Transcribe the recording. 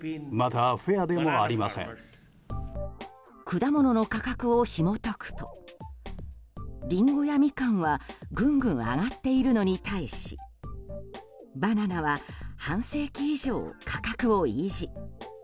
果物の価格をひも解くとリンゴやミカンはぐんぐん上がっているのに対しバナナは半世紀以上価格を維持。